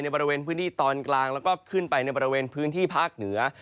บริเวณพื้นที่ตอนกลางแล้วก็ขึ้นไปในบริเวณพื้นที่ภาคเหนือ